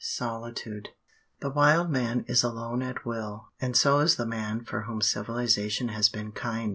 SOLITUDE The wild man is alone at will, and so is the man for whom civilization has been kind.